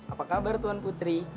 apa kabar tuan putri